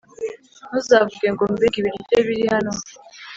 ntuzavuge ngo «Mbega ibiryo biri hano!»